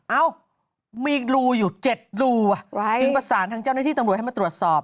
เอ้ามีรูอยู่๗รูจึงประสานทางเจ้าหน้าที่ตำรวจให้มาตรวจสอบ